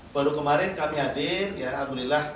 baru kemarin kami hadir ya alhamdulillah